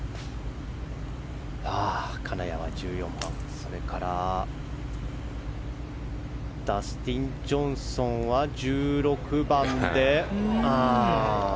金谷は１４番、それからダスティン・ジョンソンは１６番で。